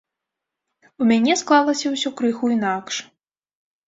У мяне склалася ўсё крыху інакш.